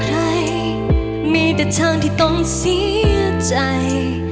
ใครมีแต่ทางที่ต้องเสียใจ